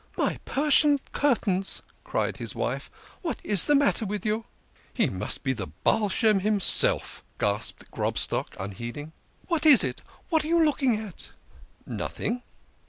" My Persian curtains !" cried his wife. " What is the matter with you ?"" He must be the Baal Shem himself !" gasped Grobstock unheeding. " What is it? What are you looking at? "" N nothing."